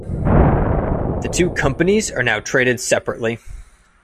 The two companies are now traded separately.